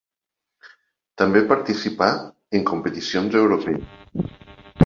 També participà en competicions europees.